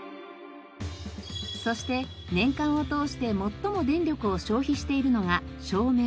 そして年間を通して最も電力を消費しているのが照明。